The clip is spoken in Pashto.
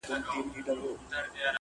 ځوانان له هغه ځایه تېرېږي ډېر,